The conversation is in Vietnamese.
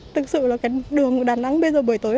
thật sự là đường đà nẵng bây giờ buổi tối